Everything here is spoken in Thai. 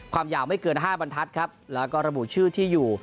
ความยาวไม่เกิน๕บรรทัศน์ครับแล้วก็ระบุชื่อที่อยู่